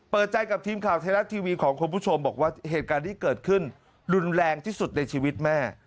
เปิดใจกับทีมข่าวไทยรัฐทีวีของคุณผู้ชมบอกว่าเหตุการณ์ที่เกิดขึ้นรุนแรงที่สุดในชีวิตแม่